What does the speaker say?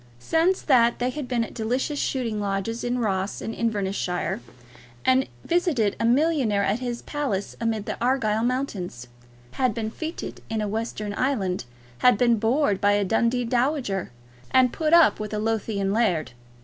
Since that they had been at delicious shooting lodges in Ross and Inverness shire, had visited a millionaire at his palace amidst the Argyle mountains, had been fêted in a western island, had been bored by a Dundee dowager, and put up with a Lothian laird.